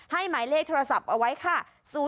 หมายเลขโทรศัพท์เอาไว้ค่ะ